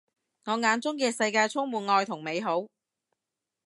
我眼中嘅世界充滿愛同美好